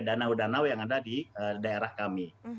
danau danau yang ada di daerah kami